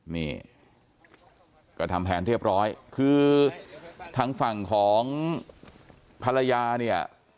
นี่ก็ทำแผนเรียบร้อยคือทางฝั่งของภรรยาเนี่ย